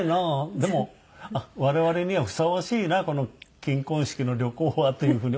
でも我々にはふさわしいなこの金婚式の旅行はというふうに思いました。